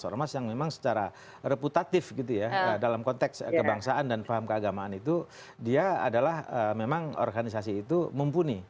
ormas yang memang secara reputatif gitu ya dalam konteks kebangsaan dan paham keagamaan itu dia adalah memang organisasi itu mumpuni